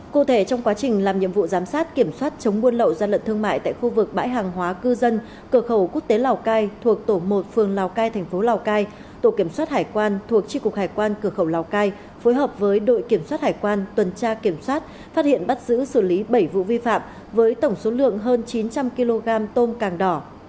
cụ thể trong quá trình làm nhiệm vụ giám sát kiểm soát chống buôn lậu gian lận thương mại tại khu vực bãi hàng hóa cư dân cửa khẩu quốc tế lào cai thuộc tổ một phường lào cai thành phố lào cai tổ kiểm soát hải quan thuộc tri cục hải quan cửa khẩu lào cai phối hợp với đội kiểm soát hải quan tuần tra kiểm soát phát hiện bắt giữ xử lý bảy vụ vi phạm với tổng số lượng hơn chín trăm linh kg tôm càng đỏ